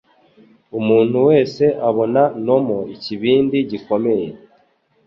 Umuntu wese abona Nomo ikibindi gikomeye.